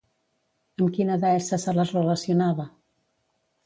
Amb quina deessa se les relacionava?